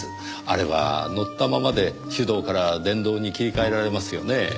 あれは乗ったままで手動から電動に切り替えられますよねぇ。